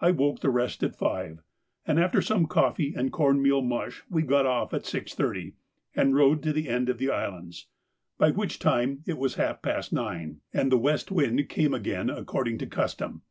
I woke the rest at five, and after some coffee and corn meal mush we got off at 6.30 and rowed to the end of the islands, by which time it was half past nine, and the west wind came again according to custom.